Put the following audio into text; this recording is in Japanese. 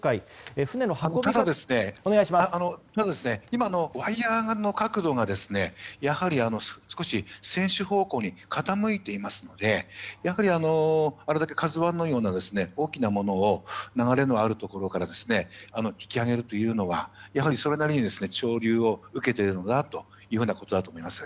ただ、今のワイヤの角度が少し船首方向に傾いていますのであれだけ「ＫＡＺＵ１」のような大きなものを流れのあるところから引き揚げるというのはやはりそれなりに潮流を受けているということだと思います。